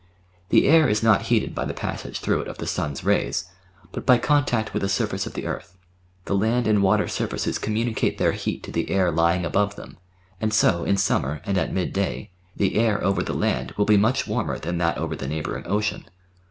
The air is not heated by the passage through it of the sun's rays, but by contact with the surface of the earth. The land and water surfaces communicate their heat to the air lying above them, and so in summer, and at midday, the air over the land will be much warmer than that over the neighbouring ocean.